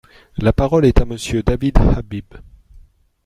La parole est à Monsieur David Habib.